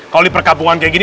kalau di perkabungan kayak gini